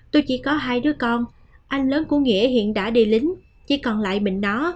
tôi chỉ có hai đứa con anh lớn của nghĩa hiện đã đi lính chỉ còn lại mình nó